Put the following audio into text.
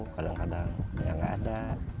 kadang kadang yang enggak ada